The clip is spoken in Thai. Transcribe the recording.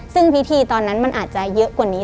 ซึ่งพิธีตอนนั้นมันอาจจะเยอะกว่านี้